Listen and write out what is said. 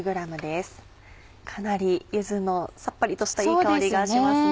かなり柚子のさっぱりとしたいい香りがしますね。